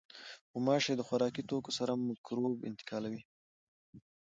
غوماشې د خوراکي توکو سره مکروب انتقالوي.